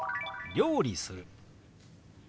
料理する。